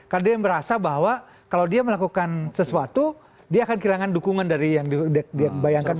karena dia merasa bahwa kalau dia melakukan sesuatu dia akan kehilangan dukungan dari yang dia bayangkan